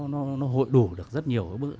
nó hội đổ được rất nhiều